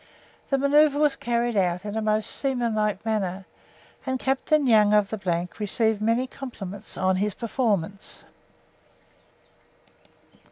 The manoeuvre was carried out in a most seamanlike manner, and Captain Young of the received many compliments on his performance.